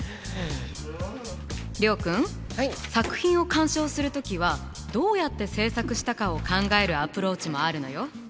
諒君作品を鑑賞する時はどうやって制作したかを考えるアプローチもあるのよ。